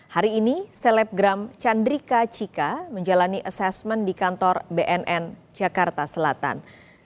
hari ini selebgram chandrika cika menjalani asesmen di kantor bnn jakarta selatan